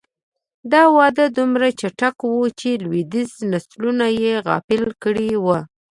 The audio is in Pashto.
دا وده دومره چټکه وه چې لوېدیځ نسلونه یې غافل کړي وو